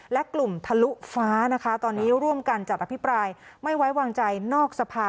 และกลุ่มทะลุฟ้านะคะตอนนี้ร่วมกันจัดอภิปรายไม่ไว้วางใจนอกสภา